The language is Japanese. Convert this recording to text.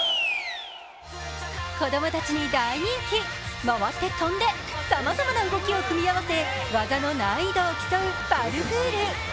子供たちに大人気、回って跳んでさまざまな動きを組み合わせ技の難易度を競うパルクール。